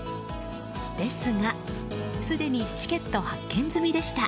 ですが、すでにチケット発券済みでした。